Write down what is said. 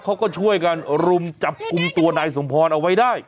เขาก็ช่วยกันรุมจับกลุ่มตัวนายสมพรเอาไว้ได้